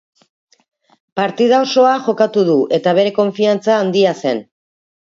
Partida osoa jokatu du, eta bere konfiantza handia zen.